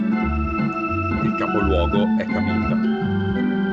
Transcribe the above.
Il capoluogo è Cabinda.